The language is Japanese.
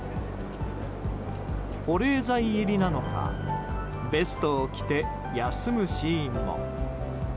保冷剤入りなのか、ベストを着て休むシーンも。